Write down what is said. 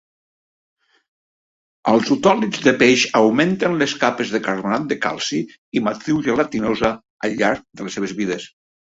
Els otòlits de peix augmenten les capes de carbonat de calci i matriu gelatinosa al llarg de les seves vides.